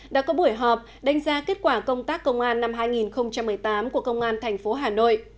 đã có buổi họp đánh giá kết quả công tác công an năm hai nghìn một mươi tám của công an thành phố hà nội